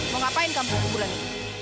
mau ngapain kamu kekuburan ini